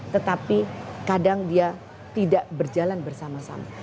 tetapi kadang dia tidak berjalan bersama sama